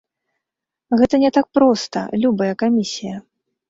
Гэта не так проста, любая камісія.